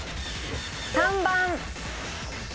３番。